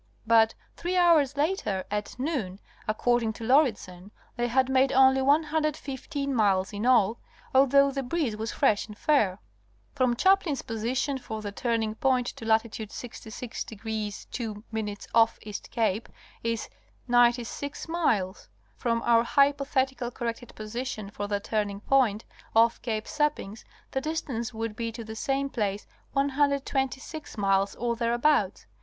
But three hours later, at noon, according to Lauridsen, they had made only 115 miles in all, although the breeze was fresh and fair. From Chaplin's position for the turning point to latitude 66° 02' off East Cape is 96 miles. From our hypothetically corrected position for the turning point, off Cape Seppings, the distance would be to the same place 126 miles, or thereabouts.